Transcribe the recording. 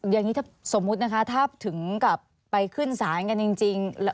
อย่างนี้ถ้าสมมุตินะคะถ้าถึงกลับไปขึ้นศาลกันจริง